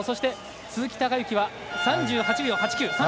鈴木孝幸は３８秒８９